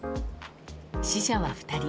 死者は２人。